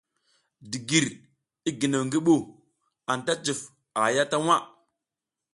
Digir, i ginew ngi ɓu, anta cuf a haya ta waʼa.